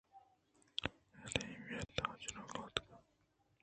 ایمیلیاتچان ءَ اتک